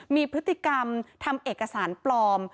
มีพฤติกรรมทำเอกสารปลอม